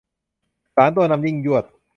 สารตัวนำยิ่งยวด